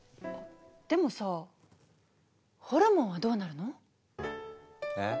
でもさホルモンはどうなるの？え？